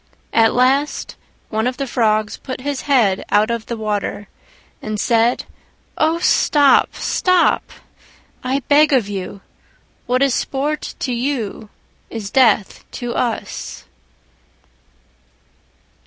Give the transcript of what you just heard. At last one of the Frogs put his head out of the water and said, "Oh, stop! stop! I beg of you: what is sport to you is death to us."